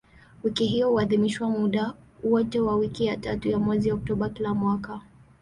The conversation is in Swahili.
Wiki hiyo huadhimishwa muda wote wa wiki ya tatu ya mwezi Oktoba kila mwaka.